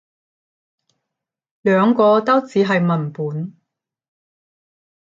兩個都只係文本